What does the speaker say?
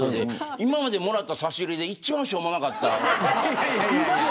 今までもらった差し入れで一番しょうもなかった。